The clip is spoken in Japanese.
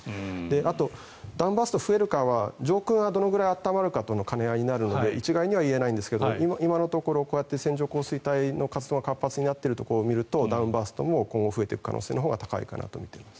あと、ダウンバーストが増えるかは上空がどれぐらい温まるかとの兼ね合いになるので一概には言えませんが今のところこうやって線状降水帯の活動が活発になっているところを見るとダウンバーストも今後、増えていく可能性のほうが高いかなと思います。